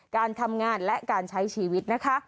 การทำงานและการใช้ชีวิตนะคะ